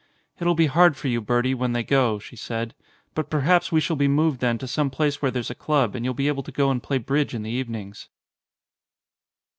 "It'll be hard for you, Bertie, when they go," she said. "But perhaps we shall be moved then to some place where there's a club and then you'll be able to go and play bridge in the evenings."